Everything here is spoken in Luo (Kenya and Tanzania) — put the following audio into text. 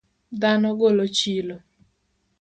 Dhano golo chilo.